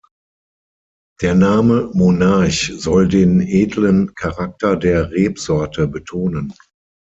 Der Name Monarch soll den „edlen“ Charakter der Rebsorte betonen.